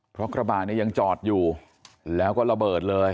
เพราะกระบะเนี่ยยังจอดอยู่แล้วก็ระเบิดเลย